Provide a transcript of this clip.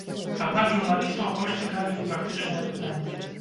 Аднак журналістаў больш цікавілі практычныя пытанні.